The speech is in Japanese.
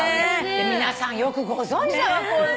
皆さんよくご存じだわこういうこと。